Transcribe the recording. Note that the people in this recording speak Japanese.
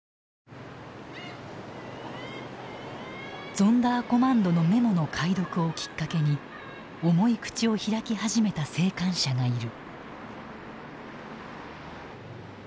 ゾンダーコマンドのメモの解読をきっかけに重い口を開き始めた生還者がいる。